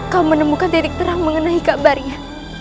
kau menemukan titik terang mengenai kabarnya